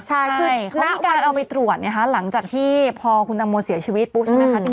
ใช่คือเขามีการเอาไปตรวจหลังจากที่พอคุณตังโมเสียชีวิตปุ๊บใช่ไหมคะ